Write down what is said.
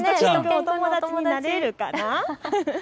お友達になれるかな。